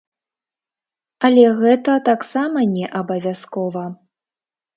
Але гэта таксама не абавязкова.